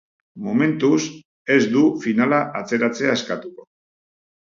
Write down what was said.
Momentuz ez du finala atzeratzea eskatuko.